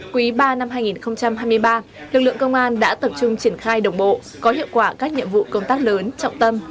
quý ba năm hai nghìn hai mươi ba lực lượng công an đã tập trung triển khai đồng bộ có hiệu quả các nhiệm vụ công tác lớn trọng tâm